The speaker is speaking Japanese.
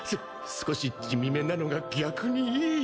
少し地味めなのが逆にいい